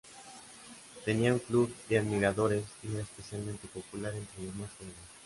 Tenía un club de admiradores, y era especialmente popular entre los más jóvenes.